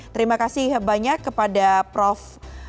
terima kasih banyak kepada prof